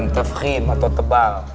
tefkhim atau tebal